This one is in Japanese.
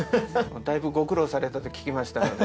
だいぶご苦労されたと聞きましたので。